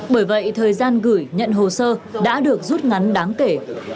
bởi vậy thời gian gửi nhận hồ sơ đã được rút ngắn đáng kể